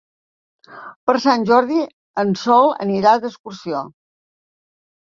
Per Sant Jordi en Sol anirà d'excursió.